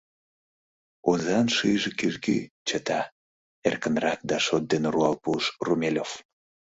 — Озан шӱйжӧ кӱжгӧ, чыта, — эркынрак да шот дене руал пуыш Румелёв.